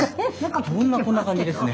どんなこんな感じですね。